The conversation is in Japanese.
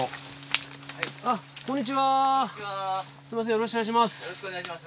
よろしくお願いします。